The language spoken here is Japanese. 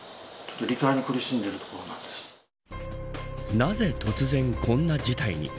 なぜ突然、こんな事態に。